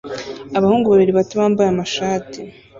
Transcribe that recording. Abahungu babiri bato bambaye amashati